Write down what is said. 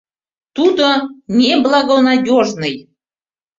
Тудо неблагонадёжный.